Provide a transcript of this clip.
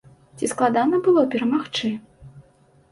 Ці складана было перамагчы?